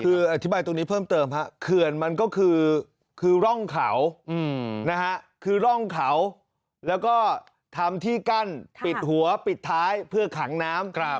คืออธิบายตรงนี้เพิ่มเติมฮะเขื่อนมันก็คือร่องเขานะฮะคือร่องเขาแล้วก็ทำที่กั้นปิดหัวปิดท้ายเพื่อขังน้ำ